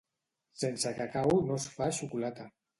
Sense cacau no es fa xocolata.